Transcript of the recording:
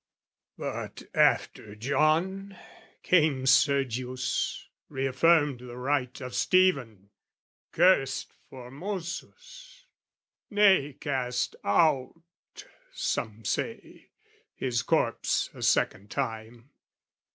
"But, after John, came Sergius, reaffirmed "The right of Stephen, cursed Formosus, nay "Cast out, some say, his corpse a second time.